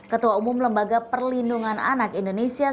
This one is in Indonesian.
ketua umum lembaga perlindungan anak indonesia